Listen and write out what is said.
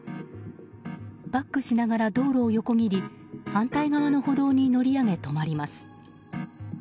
バックしながら道路を横切り反対側の歩道に乗り上げ止まります。